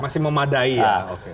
masih memadai ya